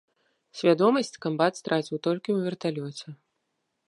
Свядомасць камбат страціў толькі ў верталёце.